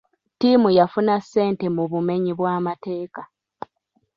Ttimu yafuna ssente mu bumenyi bw'amateeka.